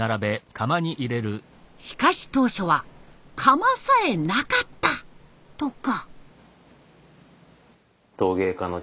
しかし当初は窯さえなかったとか。